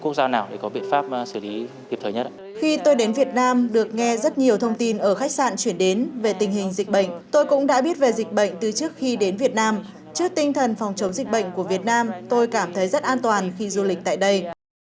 trước tinh thần phòng chống dịch bệnh của việt nam tôi cảm thấy rất an toàn khi du lịch tại đây